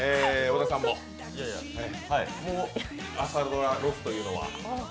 小田さんも朝ドラロスというのは？